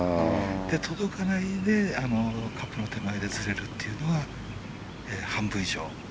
届かないでカップの手前でずれるというのは半分以上。